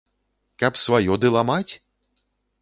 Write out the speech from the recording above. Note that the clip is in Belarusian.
Каб сваё ды ламаць?